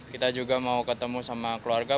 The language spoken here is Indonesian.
kita juga mau ketemu sama keluarga